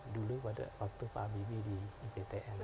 dulu waktu pak habibie di iptn